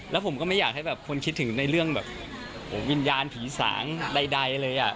แล้วผมก็ไม่อยากให้แบบคนคิดถึงในเรื่องแบบวิญญาณผีสางใดเลย